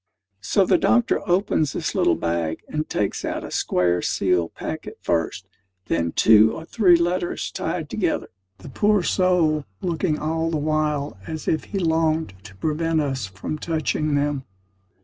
So the doctor opens his little bag, and takes out a square sealed packet first; then two or three letters tied together; the poor soul looking all the while as if he longed to prevent us from touching them.